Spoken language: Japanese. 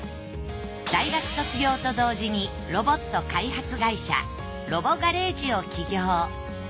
大学卒業と同時にロボット開発会社ロボ・ガレージを起業。